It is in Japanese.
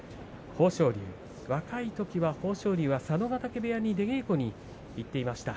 豊昇龍は若いときには佐渡ヶ嶽部屋に出稽古に行っていました。